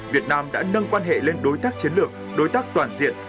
việt nam đã nâng quan hệ lên đối tác chiến lược đối tác toàn diện